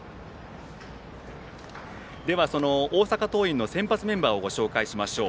その大阪桐蔭の先発メンバーをご紹介しましょう。